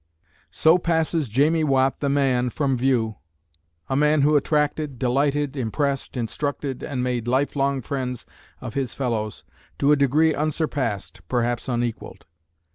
So passes Jamie Watt, the man, from view a man who attracted, delighted, impressed, instructed and made lifelong friends of his fellows, to a degree unsurpassed, perhaps unequalled.